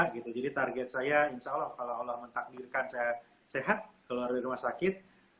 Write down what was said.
gitu jadi target saya insya allah kalau allah mentakdirkan saya sehat keluar dari rumah sakit